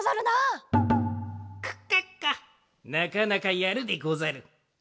なかなかやるでござる。